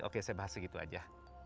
oke saya bahas segitu aja